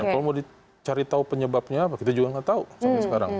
kalau mau dicari tahu penyebabnya apa kita juga nggak tahu sampai sekarang